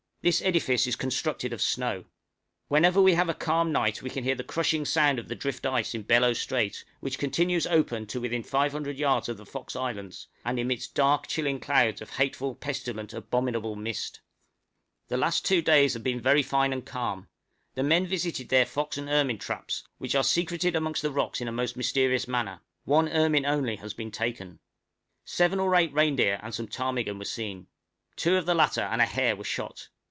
This edifice is constructed of snow. Whenever we have a calm night we can hear the crushing sound of the drift ice in Bellot Strait, which continues open to within 500 yards of the Fox Islands, and emits dark chilling clouds of hateful, pestilent, abominable mist. [Illustration: Interior of the Observatory.] The last two days have been very fine and calm: the men visited their fox and ermine traps, which are secreted amongst the rocks in a most mysterious manner one ermine only has been taken. Seven or eight reindeer and some ptarmigan were seen; two of the latter and a hare were shot.